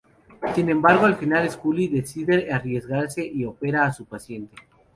Sin embargo, al final Scully decide arriesgarse y opera a su paciente.